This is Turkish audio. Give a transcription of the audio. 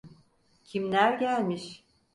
Kimler gelmiş?